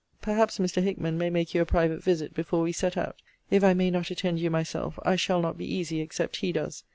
Perhaps Mr. Hickman may make you a private visit before we set out. If I may not attend you myself, I shall not be easy except he does.